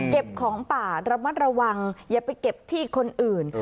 ของป่าระมัดระวังอย่าไปเก็บที่คนอื่น